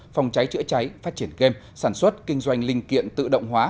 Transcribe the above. phòng cháy chữa cháy phát triển game sản xuất kinh doanh linh kiện tự động hóa